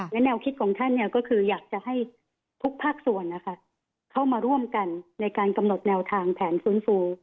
และแนวคิดของท่านก็คืออยากจะให้ทุกภาคส่วนเข้ามาร่วมกันในการกำหนดแนวทางแผนฟื้นฟู